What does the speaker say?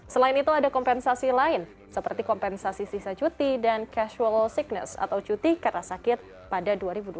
selain itu ada kompensasi lain seperti kompensasi sisa cuti dan casual sickness atau cuti karena sakit pada dua ribu dua puluh